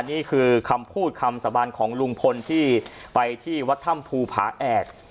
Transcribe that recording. นี่คือคำพูดคำสาบานของลุงพลที่ไปที่วัดถ้ำภูผาแอก